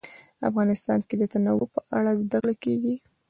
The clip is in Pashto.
افغانستان کې د تنوع په اړه زده کړه کېږي.